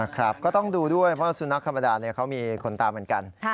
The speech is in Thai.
ก็ต้องดูด้วยเพราะสุนัขธรรมดาเขามีคนตามเหมือนกัน